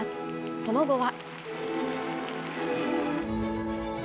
その後は。